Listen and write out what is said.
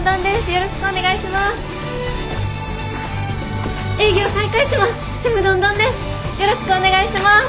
よろしくお願いします。